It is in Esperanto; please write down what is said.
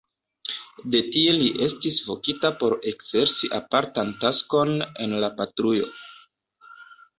De tie li estis vokita por ekzerci apartan taskon en la patrujo.